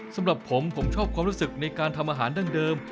สำหรับผมผมชอบความรู้สึกในการทำอาหารดั้งเดิม